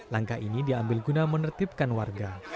langkah ini diambil guna menertibkan warga